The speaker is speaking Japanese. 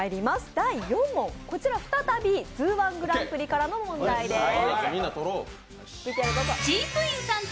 第４問、こちら、再び「ＺＯＯ−１グランプリ」からの問題です。